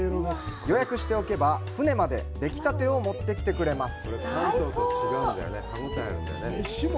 予約しておけば舟までできたてを持ってきてくれます。